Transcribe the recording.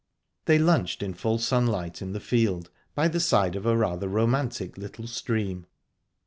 They lunched in full sunlight in the field, by the side of a rather romantic little stream.